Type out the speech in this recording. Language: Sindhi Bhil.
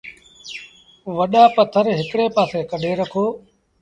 وڏآ پٿر هڪڙي پآسي ڪڍي رکو ۔